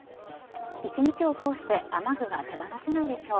一日を通して雨具が手放せないでしょう。